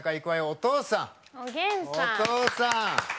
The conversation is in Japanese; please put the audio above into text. お父さん！